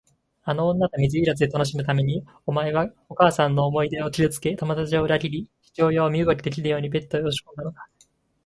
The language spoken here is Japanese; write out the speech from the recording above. あの女と水入らずで楽しむために、お前はお母さんの思い出を傷つけ、友だちを裏切り、父親を身動きできぬようにベッドへ押しこんだのだ。